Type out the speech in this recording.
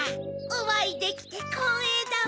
おあいできてこうえいだわ。